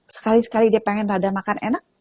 sekali sekali dia pengen rada makan enak